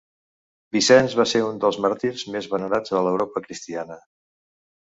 Vicenç va ser un dels màrtirs més venerats a l'Europa cristiana.